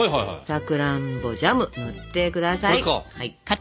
さくらんぼジャム塗ってください。